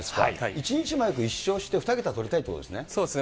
一日も早く１勝して２桁とりたいということですね。